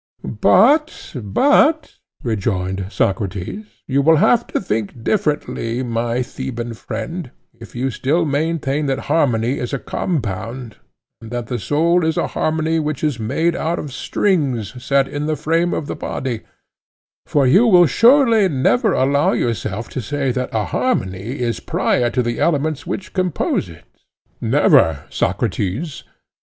But, rejoined Socrates, you will have to think differently, my Theban friend, if you still maintain that harmony is a compound, and that the soul is a harmony which is made out of strings set in the frame of the body; for you will surely never allow yourself to say that a harmony is prior to the elements which compose it. Never, Socrates.